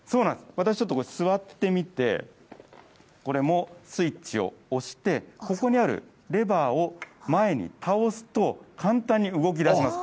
私、ちょっとこれ座ってみて、これもスイッチを押して、ここにあるレバーを前に倒すと、簡単に動きだします。